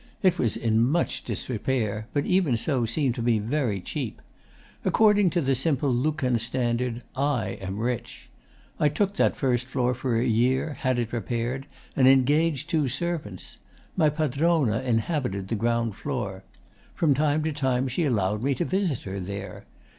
It was in much disrepair, but even so seemed to me very cheap. According to the simple Luccan standard, I am rich. I took that first floor for a year, had it repaired, and engaged two servants. My "padrona" inhabited the ground floor. From time to time she allowed me to visit her there.